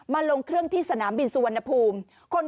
ลงเครื่องที่สนามบินสุวรรณภูมิ